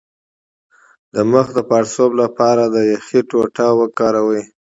د مخ د پړسوب لپاره د یخ ټوټې وکاروئ